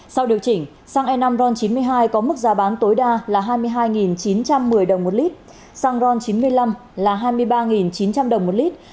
sau điều chỉnh xăng e năm ron chín mươi hai có mức giá bán tối đa là hai mươi hai chín trăm một mươi đồng một lít xăng ron chín mươi năm là hai mươi ba chín trăm linh đồng một lít